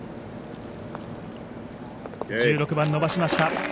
１６番伸ばしました。